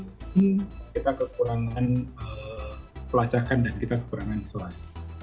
kita kekurangan pelacakan dan kita kekurangan swas